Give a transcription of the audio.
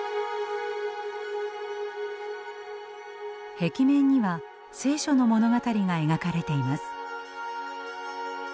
壁面には「聖書」の物語が描かれています。